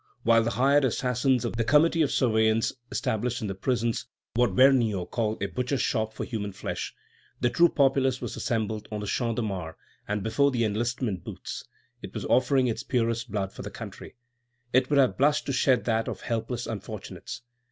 While the hired assassins of the Committee of Surveillance established in the prisons what Vergniaud called a butcher's shop for human flesh, the true populace was assembled on the Champ de Mars, and before the enlistment booths; it was offering its purest blood for the country; it would have blushed to shed that of helpless unfortunates."